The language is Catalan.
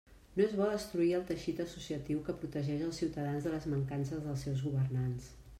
No és bo destruir el teixit associatiu que protegeix els ciutadans de les mancances dels seus governants.